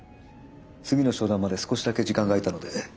次の商談まで少しだけ時間が空いたので。